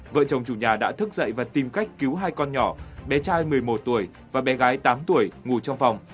vợ chồng chủ nhà đã thức dậy và tìm cách cứu hai con nhỏ bé trai một mươi một tuổi và bé gái tám tuổi ngủ trong phòng